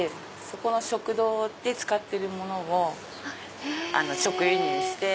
そこの食堂で使ってるものを直輸入して。